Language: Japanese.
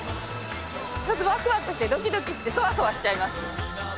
ちょっとワクワクしてドキドキしてソワソワしちゃいます。